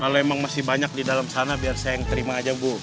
kalau emang masih banyak di dalam sana biar saya yang terima aja bu